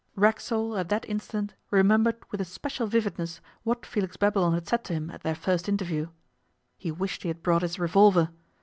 Racksole, at that instant, remembered with a special vividness what Felix Babylon had said to him at their first interview. He wished he had brought his revolver.